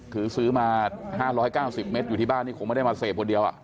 คือซื้อมา๕๙๐เมตรอยู่ที่บ้านนี่คงไม่ได้มาเสพคนเดียว